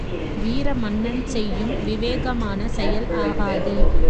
வீர மன்னன் செய்யும் விவேகமான செயல் ஆகாது.